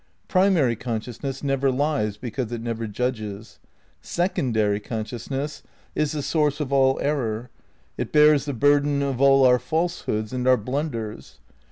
Primary consciousness never lies, because it never judges. Secondary consciousness is the source of all error. It bears the burden of all our falsehoods and our blunders.